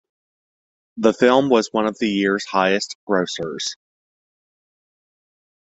The film was one of the year's highest grossers.